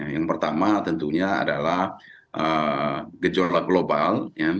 yang pertama tentunya adalah gejolak global